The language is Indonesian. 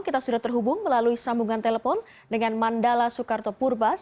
kita sudah terhubung melalui sambungan telepon dengan mandala soekarto purbas